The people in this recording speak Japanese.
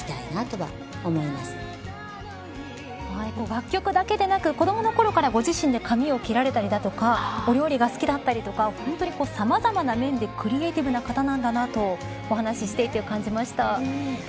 楽曲だけでなく子どものころからご自身で髪を切られたりとかお料理が好きだったりとか本当にさまざまな面でクリエイティブな方なんだとお話していて感じました。